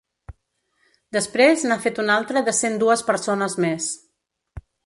Després n’ha fet un altre de cent dues persones més.